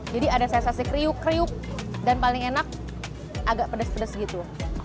jadi ada sensasi kriuk kriuk dan paling enak agak pedes pedes gitu